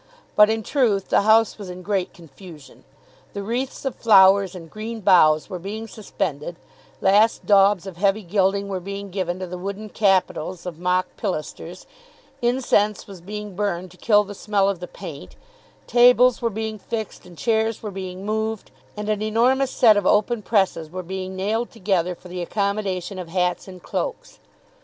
But in truth the house was in great confusion. The wreaths of flowers and green boughs were being suspended, last daubs of heavy gilding were being given to the wooden capitals of mock pilasters, incense was being burned to kill the smell of the paint, tables were being fixed and chairs were being moved; and an enormous set of open presses were being nailed together for the accommodation of hats and cloaks.